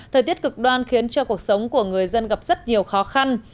thời tiết cực đoan khiến cho cuộc sống của người dân gặp rất nhiều khó khăn